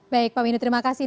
baik pak windu terima kasih